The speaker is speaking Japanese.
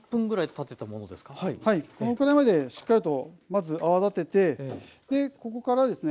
このくらいまでしっかりとまず泡立ててここからですね